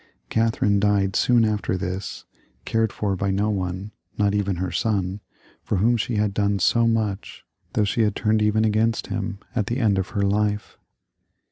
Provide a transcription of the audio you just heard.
Catherine died soon after this, cared for by no one, not even her son, for whom she had done so much, though she had turned even against him at the end of her life.